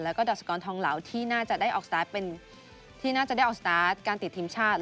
และดัสกรทองเหลาที่น่าจะได้ออกสตาชการติดทีมชาติ